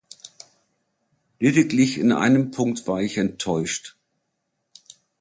Lediglich in einem Punkt war ich enttäuscht.